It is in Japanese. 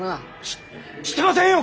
ししてませんよ